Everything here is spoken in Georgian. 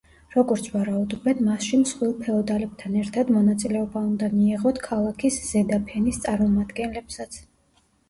როგორც ვარაუდობენ, მასში მსხვილ ფეოდალებთან ერთად მონაწილეობა უნდა მიეღოთ ქალაქის ზედაფენის წარმომადგენლებსაც.